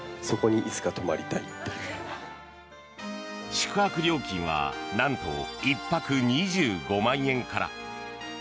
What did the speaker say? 宿泊料金はなんと１泊２５万円から。